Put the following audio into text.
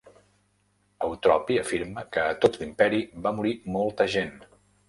Eutropi afirma que a tot l'imperi va morir molta gent.